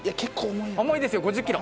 重いですよ５０キロ。